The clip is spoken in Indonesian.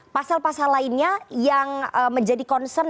pasal pasal lainnya yang menjadi concern